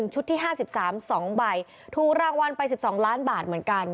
ชุดที่๕๓๒ใบถูกรางวัลไป๑๒ล้านบาทเหมือนกัน